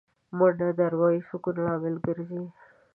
منډه د اروايي سکون لامل ګرځي